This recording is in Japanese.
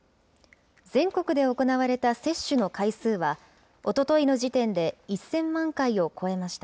全国で行われた接種の回数は、おとといの時点で１０００万回を超えました。